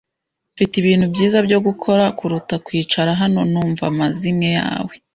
Mfite ibintu byiza byo gukora kuruta kwicara hano numva amazimwe yawe.